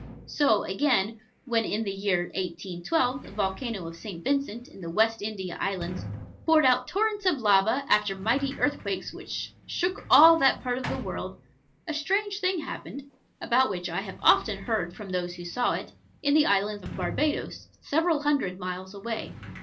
So, again, when in the year 1812 the volcano of St. Vincent, in the West India Islands, poured out torrents of lava, after mighty earthquakes which shook all that part of the world, a strange thing happened (about which I have often heard from those who saw it) in the island of Barbados, several hundred miles away.